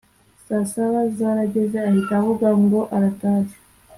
saa saba zarageze ahita avuga ngo aratashye